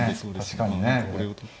確かにね。これを取って。